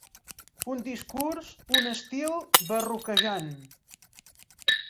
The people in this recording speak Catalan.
Un discurs, un estil, barroquejant.